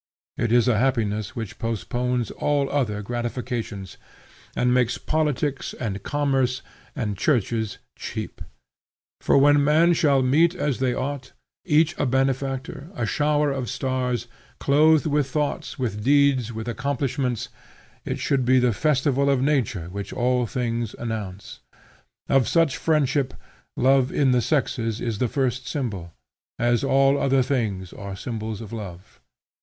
It is a happiness which postpones all other gratifications, and makes politics, and commerce, and churches, cheap. For when men shall meet as they ought, each a benefactor, a shower of stars, clothed with thoughts, with deeds, with accomplishments, it should be the festival of nature which all things announce. Of such friendship, love in the sexes is the first symbol, as all other things are symbols of love.